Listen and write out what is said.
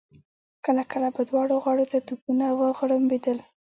کله کله به دواړو غاړو ته توپونه وغړمبېدل.